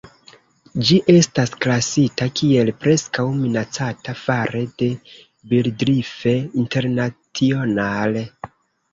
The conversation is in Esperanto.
Ĝi estas klasita kiel "Preskaŭ Minacata" fare de Birdlife International.